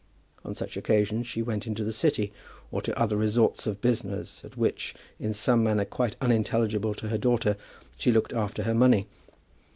On such occasions she went into the City, or to other resorts of business, at which, in some manner quite unintelligible to her daughter, she looked after her money.